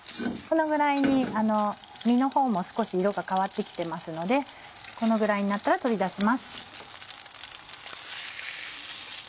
このぐらいに身のほうも少し色が変わって来てますのでこのぐらいになったら取り出します。